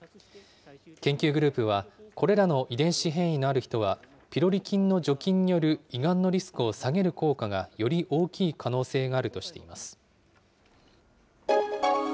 研究グループは、これらの遺伝子変異のある人は、ピロリ菌の除菌による胃がんのリスクを下げる効果がより大きい可能性があるとしています。